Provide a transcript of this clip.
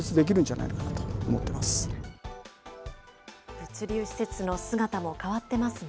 物流施設の姿も変わってますね。